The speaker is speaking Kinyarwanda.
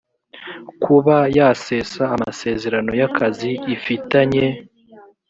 kuba yasesa amasezerano y akazi ifitanye